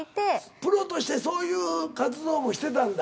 プロとしてそういう活動もしてたんだ。